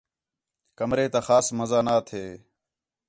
کمرے تا خاص مزہ نا تھے